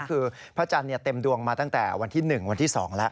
คือพระจันทร์เต็มดวงมาตั้งแต่วันที่๑วันที่๒แล้ว